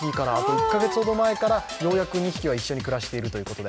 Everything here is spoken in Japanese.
１カ月ほど前からようやく２匹は一緒に暮らしているということで。